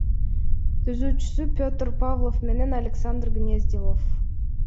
Түзүүчүсү — Петр Павлов менен Александр Гнездилов.